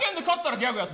ギャグやれ！